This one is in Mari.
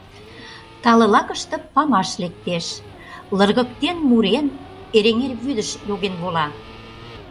Тале лакыште памаш лектеш, лыргыктен-мурен Эреҥер вӱдыш йоген вола.